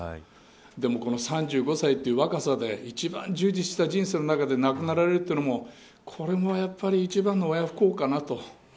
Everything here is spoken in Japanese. でもこの３５歳という若さで一番充実した人生の中で亡くなられるというのもこれ、もうやっぱり一番の親不孝かなと。